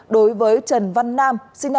đối với trần văn nam sinh năm một nghìn chín trăm